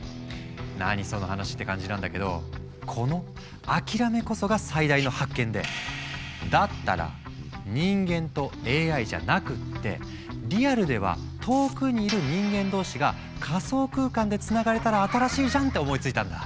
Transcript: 何その話？って感じなんだけどこの諦めこそが最大の発見でだったら人間とＡＩじゃなくってリアルでは遠くにいる人間同士が仮想空間でつながれたら新しいじゃんって思いついたんだ。